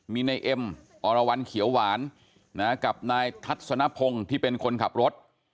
มีนายเอ็มอรวรรณเขียวหวานกับนายทัศนพงศ์ที่เป็นคนขับรถ